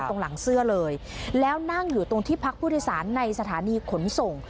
ตรงหลังเสื้อเลยแล้วนั่งอยู่ตรงที่พักผู้โดยสารในสถานีขนส่ง